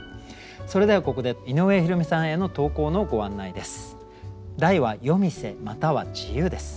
それではここで井上弘美さんへの投稿のご案内です。